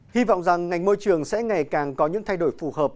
hy vọng rằng ngành môi trường sẽ ngày càng có những thay đổi phù hợp